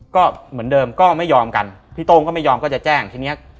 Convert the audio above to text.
ก็เหมือนเดิมก็ไม่ยอมกันพี่โต้งก็ไม่ยอมก็จะแจ้งทีเนี้ย